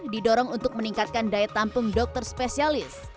didorong untuk meningkatkan daya tampung dokter spesialis